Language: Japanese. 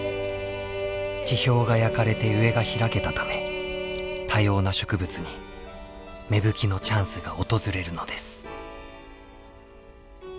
地表が焼かれて上が開けたため多様な植物に芽吹きのチャンスが訪れるのです。